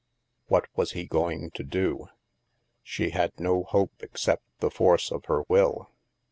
What was he going to do? She had no hope except the force of her will.